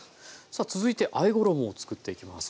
さあ続いてあえ衣をつくっていきます。